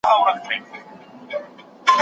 بله نکته داده.